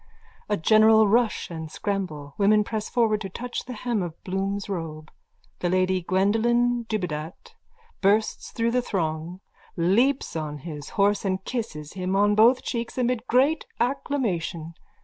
A general rush and scramble. Women press forward to touch the hem of Bloom's robe. The lady Gwendolen Dubedat bursts through the throng, leaps on his horse and kisses him on both cheeks amid great acclamation.